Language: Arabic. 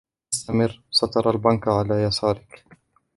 استمر ، سترى البنك على يسارك.